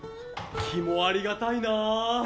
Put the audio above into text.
キモありがたいな。